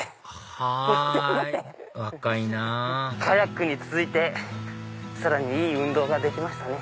はい若いなぁカヤックに続いてさらにいい運動ができましたね。